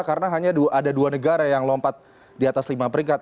karena hanya ada dua negara yang lompat di atas lima peringkat